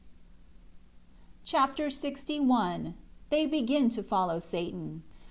Chapter LXI They begin to follow Satan.